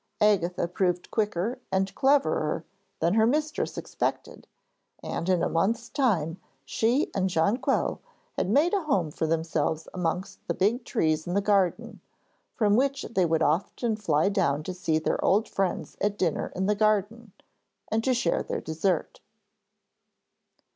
Agatha proved quicker and cleverer than her mistress expected, and in a month's time she and Jonquil had made a home for themselves amongst the big trees in the garden, from which they would often fly down to see their old friends at dinner in the garden, and to share their dessert.